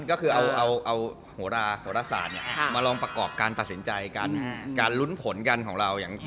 เพราะว่าเราเอาโหล่าการสน